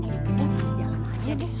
jalan saja deh